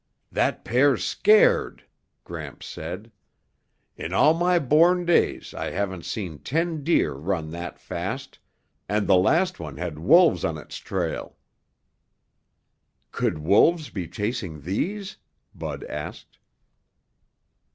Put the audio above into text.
"That pair's scared," Gramps said. "In all my born days I haven't seen ten deer run that fast, and the last one had wolves on its trail." "Could wolves be chasing these?" Bud asked.